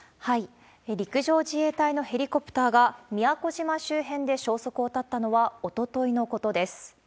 陸上自衛隊のヘリコプターが、宮古島周辺で消息を絶ったのはおとといのことです。